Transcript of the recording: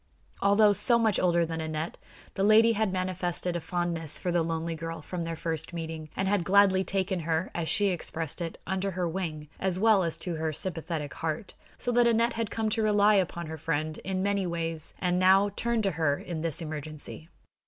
Although so much older than Aneth, the lady had manifested a fondness for the lonely girl from their first meeting, and had gladly taken her, as she expressed it, "under her wing," as well as to her sympathetic heart; so that Aneth had come to rely upon her friend in many ways, and now turned to her in this emergency.